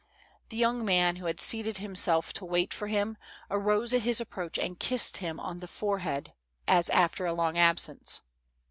The young man, who had seated himself to wait for him, arose at his approach and kissed him on the forehead, as alter a long absence.